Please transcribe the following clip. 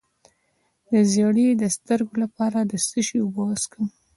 د زیړي د سترګو لپاره د څه شي اوبه وڅښم؟